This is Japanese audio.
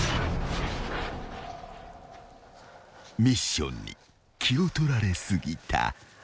［ミッションに気を取られ過ぎた］